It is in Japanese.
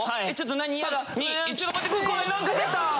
何か出た！